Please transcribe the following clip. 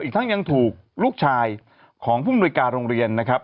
อีกทั้งยังถูกลูกชายของผู้มนุยการโรงเรียนนะครับ